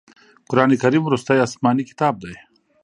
قرآن کریم وروستی اسمانې کتاب دی.